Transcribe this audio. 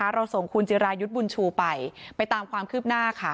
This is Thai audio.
เราส่งคุณจิรายุทธ์บุญชูไปไปตามความคืบหน้าค่ะ